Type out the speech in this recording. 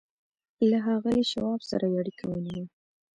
له ښاغلي شواب سره یې اړیکه ونیوه